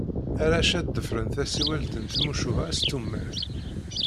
Arrac-a ḍefren tasiwelt n tmucuha s tumert.